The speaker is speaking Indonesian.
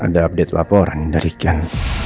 ada update laporan dari ken